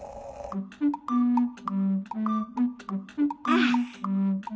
ああ。